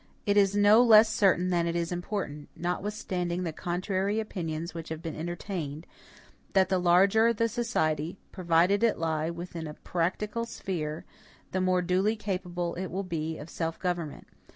It is no less certain than it is important, notwithstanding the contrary opinions which have been entertained, that the larger the society, provided it lie within a practical sphere, the more duly capable it will be of self government.